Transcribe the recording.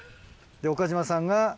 で岡島さんが。